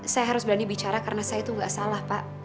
saya harus berani bicara karena saya itu nggak salah pak